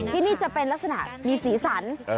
ที่นี่จะเป็นลักษณะมีสีสัน